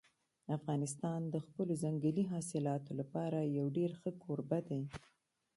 افغانستان د خپلو ځنګلي حاصلاتو لپاره یو ډېر ښه کوربه دی.